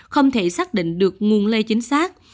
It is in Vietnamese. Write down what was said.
không thể xác định được nguồn lây chính xác